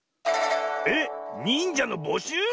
えっ⁉にんじゃのぼしゅう？